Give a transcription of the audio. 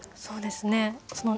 そうですね。